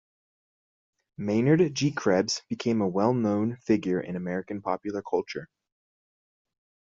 Maynard G. Krebs became a well-known figure in American popular culture.